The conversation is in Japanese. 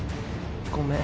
ごめん。